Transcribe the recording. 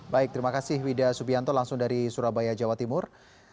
baik terima kasih wida subianto langsung dari surabaya jawa timur